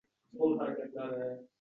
Bir vaqt qarasam, yig‘layapman.